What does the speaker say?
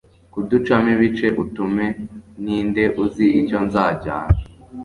kuducamo ibice, utume ninde uzi icyo nzajyana